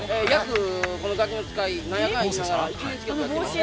この『ガキの使い』何やかんや１年近くやってますね。